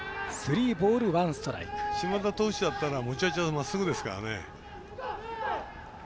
島田投手だったら、持ち味はまっすぐですからね。